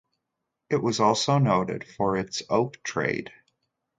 It was also noted for its oak trade.